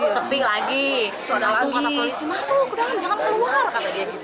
seping lagi langsung kata polisi masuk jangan keluar kata dia gitu